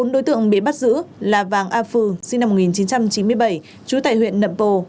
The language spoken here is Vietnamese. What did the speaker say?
bốn đối tượng bị bắt giữ là vàng a phư sinh năm một nghìn chín trăm chín mươi bảy chú tệ huyện nậm bồ